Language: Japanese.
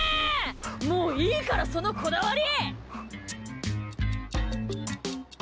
もういいから、そのこだわり！